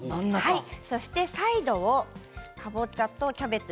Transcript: そして、サイドをかぼちゃとキャベツ。